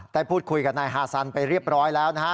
ได้พูดคุยกับนายฮาซันไปเรียบร้อยแล้วนะฮะ